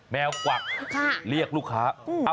แมวกวักเรียกลูกค้า